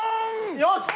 よし！